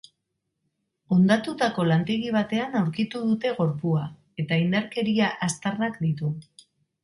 Hondatutako lantegi batean aurkitu dute gorpua eta indarkeria aztarnak ditu.